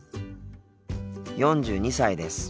４２歳です。